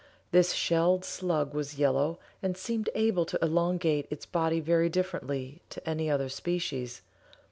This shelled slug was yellow, and seemed able to elongate its body very differently to any other species.